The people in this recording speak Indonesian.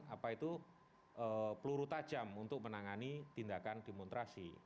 apa itu peluru tajam untuk menangani tindakan demonstrasi